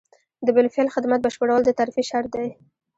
د بالفعل خدمت بشپړول د ترفیع شرط دی.